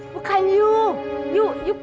bukan yuk yuk yuk yuk